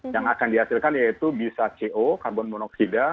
yang akan dihasilkan yaitu bisa co karbon monoksida